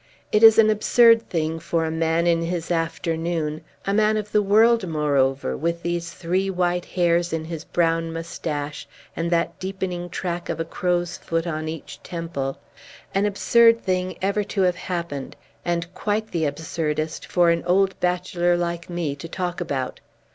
It is an absurd thing for a man in his afternoon, a man of the world, moreover, with these three white hairs in his brown mustache and that deepening track of a crow's foot on each temple, an absurd thing ever to have happened, and quite the absurdest for an old bachelor, like me, to talk about.